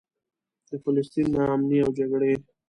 د فلسطین نا امني او جګړې.